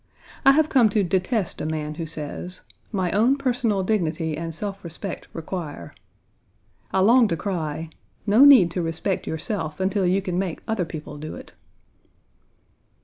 I have come to detest a man who says, "My own personal dignity and self respect require." I long to cry, "No need to respect yourself until you can make other people do it."